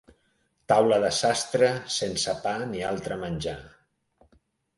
Taula de sastre, sense pa ni altre menjar.